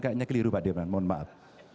kayaknya keliru pak dirman mohon maaf